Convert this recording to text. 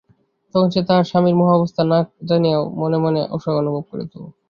তখন সে তাহার স্বামীর মোহাবস্থা না জানিয়াও মনে মনে অসূয়া অনুভব করিত।